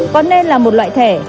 có nên là một loại thẻ